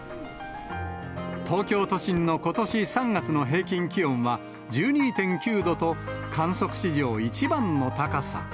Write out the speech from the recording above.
東京都心のことし３月の平均気温は１２．９度と、観測史上１番の高さ。